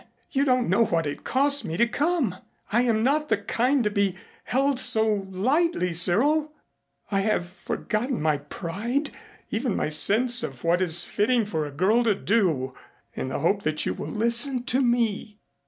You don't know what it cost me to come. I am not the kind to be held so lightly, Cyril. I have forgotten my pride, even my sense of what is fitting for a girl to do, in the hope that you will listen to me."